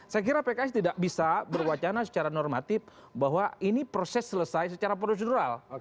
saya kira pks tidak bisa berwacana secara normatif bahwa ini proses selesai secara prosedural